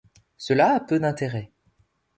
Cela a peu d'intérêt.